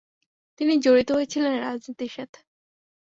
তিনি জড়িত হয়েছিলেন রাজনীতির সাথে।